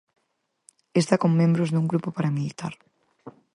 Esta con membros dun grupo paramilitar.